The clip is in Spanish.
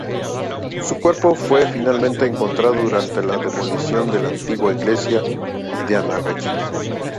Su cuerpo fue finalmente encontrado durante la demolición de la antigua iglesia de Anagni.